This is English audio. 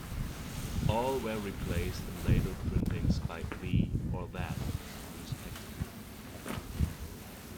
All were replaced in later printings by "the" or "that", respectively.